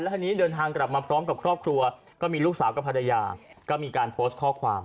ทีนี้เดินทางกลับมาพร้อมกับครอบครัวก็มีลูกสาวกับภรรยาก็มีการโพสต์ข้อความ